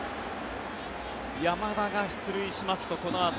山田が出塁しますとこのあと